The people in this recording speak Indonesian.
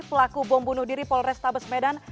pelaku bom bunuh diri polres tabes medan